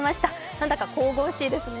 なんだか神々しいですね。